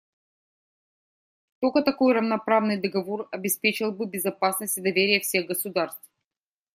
Только такой равноправный договор обеспечил бы безопасность и доверие всех государств.